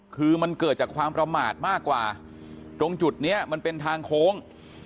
คือมันเกิดจากความประมาทมากกว่าตรงจุดนี้มันเป็นทางโค้ง